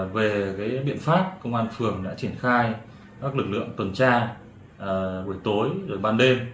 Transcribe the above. về biện pháp công an phường đã triển khai các lực lượng tuần tra buổi tối ban đêm